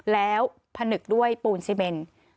แล้วผนึกด้วยปูนซีเมน